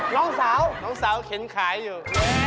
น้องสาวน้องสาวเข็นขายอยู่